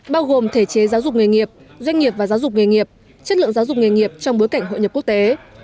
bao gồm thể chế giáo dục nghề nghiệp doanh nghiệp và giáo dục nghề nghiệp chất lượng giáo dục nghề nghiệp trong bối cảnh hội nhập quốc tế